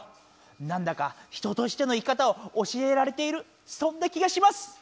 なんだか人としての生き方を教えられているそんな気がします。